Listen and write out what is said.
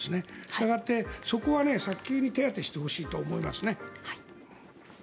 したがって、そこは早急に手当てしてほしいなと思いますね。